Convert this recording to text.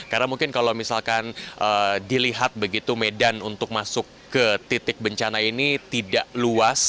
karena mungkin kalau misalkan dilihat begitu medan untuk masuk ke titik bencana ini tidak luas